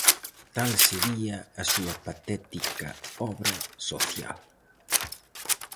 Tal sería a súa patética obra social.